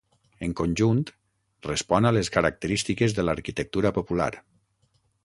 En conjunt respon a les característiques de l'arquitectura popular.